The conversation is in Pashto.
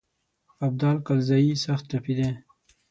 ابدال کلزايي سخت ټپي دی.